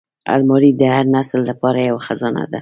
الماري د هر نسل لپاره یوه خزانه ده